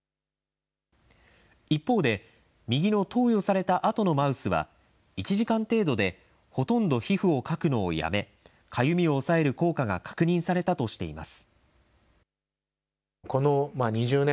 一方で、右の投与されたあとのマウスは、１時間程度でほとんど皮膚をかくのをやめ、かゆみを抑える効果が確認されたとしています。